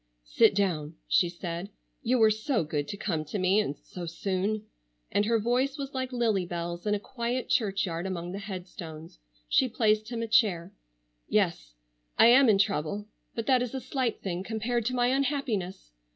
"Sit down," she said, "you were so good to come to me, and so soon—" and her voice was like lily bells in a quiet church yard among the head stones. She placed him a chair. "Yes, I am in trouble. But that is a slight thing compared to my unhappiness.